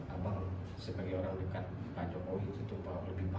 apakah sebagai orang dekat pak jokowi itu lebih paham